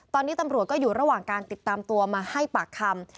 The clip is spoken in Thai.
ตอนนี้ตำรวจก็อยู่ระหว่างการติดตามตัวมาให้ปากคำ